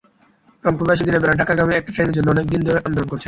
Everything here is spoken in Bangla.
রংপুরবাসী দিনের বেলা ঢাকাগামী একটি ট্রেনের জন্য অনেক দিন ধরে আন্দোলন করছে।